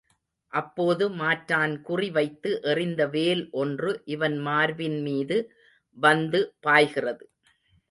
அப்போது மாற்றான் குறி வைத்து எறிந்த வேல் ஒன்று இவன் மார்பின் மீது வந்து பாய்கிறது.